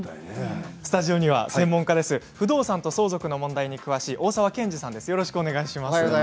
スタジオには不動産と相続の問題に詳しい大澤健司さんです。